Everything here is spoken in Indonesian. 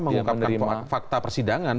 mengungkapkan fakta persidangan